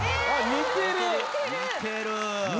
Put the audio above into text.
似てるね。